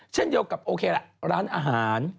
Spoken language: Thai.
เช่นเดียวกับโอเคละร้านอาหาร